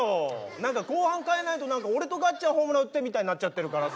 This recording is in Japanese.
何か後半変えないと何か俺とガッちゃんホームラン打ってみたいになっちゃてるからさ。